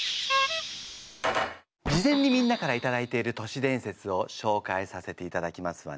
事前にみんなからいただいている年伝説を紹介させていただきますわね。